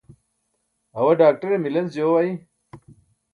awaa ḍaakṭere milenc joo ay